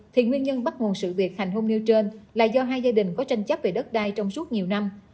thì nguyên nhân bắt nguồn sự việc hành hung nêu trên là do hai gia đình có tranh chấp về đất đai trong suốt nhiều năm